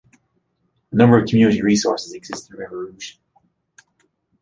A number of community resources exist in River Rouge.